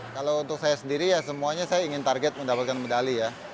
kalau untuk saya sendiri ya semuanya saya ingin target mendapatkan medali ya